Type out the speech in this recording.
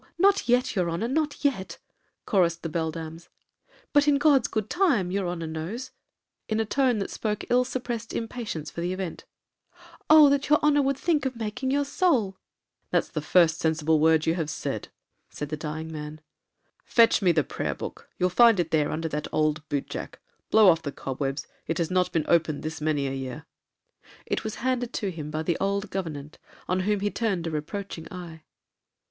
'Oh! not yet, your honor, not yet,' chorussed the beldams; 'but in God's good time, your honor knows,' in a tone that spoke ill suppressed impatience for the event. 'Oh! that your honor would think of making your soul.' 'That's the first sensible word you have said,' said the dying man, 'fetch me the prayer book,—you'll find it there under that old boot jack,—blow off the cobwebs;—it has not been opened this many a year.' It was handed to him by the old governante, on whom he turned a reproaching eye.